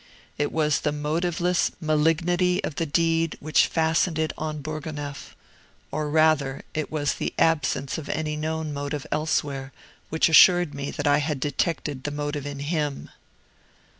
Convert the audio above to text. It was the motiveless malignity of the deed which fastened it on Bourgonef; or rather, it was the absence of any known motive elsewhere which assured me that I had detected the motive in him.